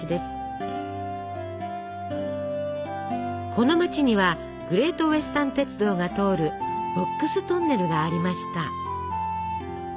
この町には「グレート・ウェスタン鉄道」が通る「ボックス・トンネル」がありました。